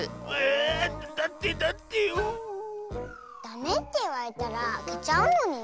ダメっていわれたらあけちゃうのにね。